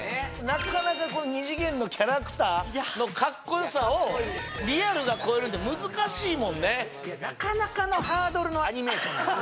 なかなか２次元のキャラクターのかっこよさをリアルが超えるって難しいもんねいやなかなかのハードルのアニメーションよ